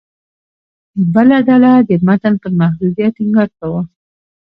بله ډله د متن پر محوریت ټینګار کاوه.